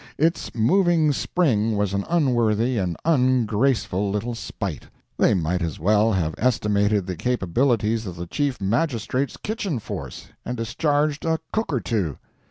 Its moving spring was an unworthy and an ungraceful little spite. They might as well have estimated the capabilities of the Chief Magistrate's kitchen force, and discharged a cook or two.